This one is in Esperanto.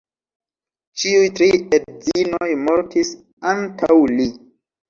Ĉiuj tri edzinoj mortis antaŭ li.